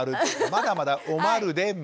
まだまだおまるで○。